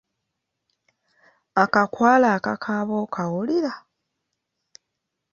Akakwale akakaaba okawulira?